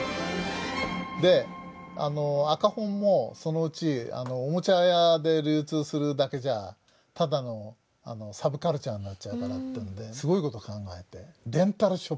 で赤本もそのうちおもちゃ屋で流通するだけじゃただのサブカルチャーになっちゃうからってんですごいこと考えてレンタルショップ作ったんです。